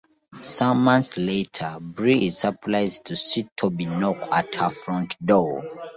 Some months later, Bree is surprised to see Toby knock at her front door.